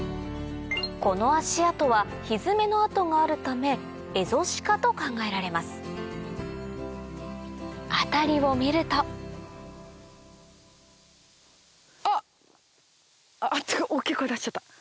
この足跡はヒヅメの跡があるためエゾシカと考えられます辺りを見ると大っきい声出しちゃった。